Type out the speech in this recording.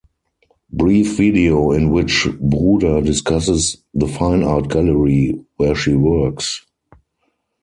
Brief video in which Bruder discusses the Fine Art Gallery where she works